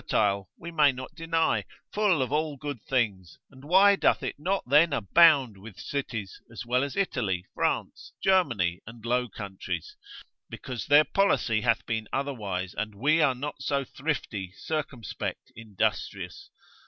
Our land is fertile we may not deny, full of all good things, and why doth it not then abound with cities, as well as Italy, France, Germany, the Low Countries? because their policy hath been otherwise, and we are not so thrifty, circumspect, industrious.